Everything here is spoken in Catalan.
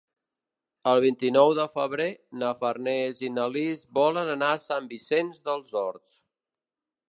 El vint-i-nou de febrer na Farners i na Lis volen anar a Sant Vicenç dels Horts.